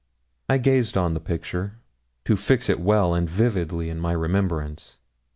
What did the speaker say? I gazed on the picture, to fix it well and vividly in my remembrance.